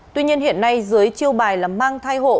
tuy nhiên hiện nay dưới chiêu bài là mang thai hộ